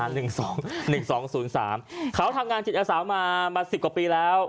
หนึ่งสองหนึ่งสองศูนย์สามเขาทำงานจิตอาสามามาสิบกว่าปีแล้ว